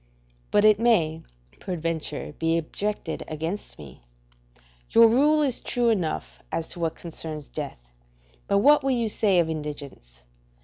But it may, peradventure, be objected against me: Your rule is true enough as to what concerns death; but what will you say of indigence?